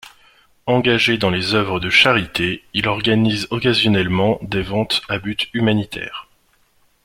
Engagé dans les œuvres de charité, il organise occasionnellement des ventes à but humanitaire.